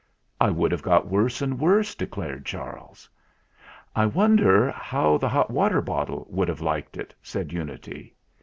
"I should have got worse and worse," de clared Charles. "I wonder how the hot water bottle would have liked it ?" said Unity.